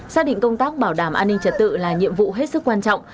xác định công tác bảo đảm an ninh trật tự là nhiệm vụ hết sức quan trọng